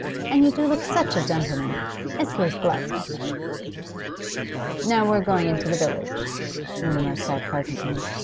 And you do look such a gentleman; it's those gloves, I think.' 'Now we're going into the village,' Mutimer said presently.